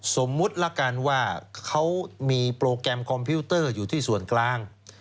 สมมุติละกันว่าเขามีโปรแกรมคอมพิวเตอร์อยู่ที่ส่วนกลาง